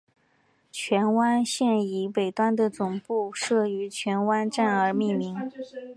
荃湾线以北端的总站设于荃湾站而命名。